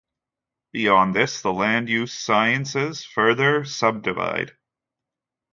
Beyond this, the land-use sciences further subdivide.